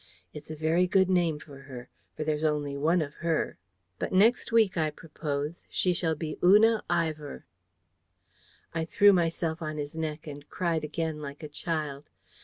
It's a very good name for her: for there's only one of her. But next week, I propose, she shall be Una Ivor." I threw myself on his neck, and cried again like a child.